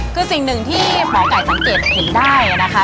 คือสิ่งหนึ่งที่หมอไก่สังเกตเห็นได้นะคะ